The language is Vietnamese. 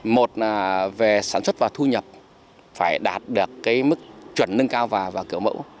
một là về sản xuất và thu nhập phải đạt được cái mức chuẩn nâng cao và kiểu mẫu